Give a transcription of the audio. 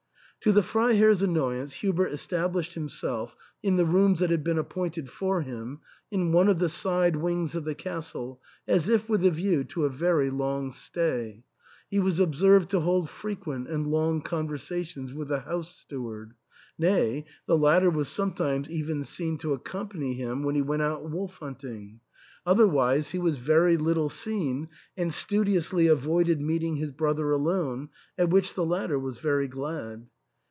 To the Freiherr's annoyance, Hubert established himself in the rooms that had been appointed for him in one of the side wings of the castle as if with the view to a very long stay. He was observed to hold fre quent and long conversations with the house steward ; nay, the latter was sometimes even seen to accompany him when he went out wolf hunting. Otherwise he was very little seen, and studiously avoided meeting his brother alone, at which the latter was very glad.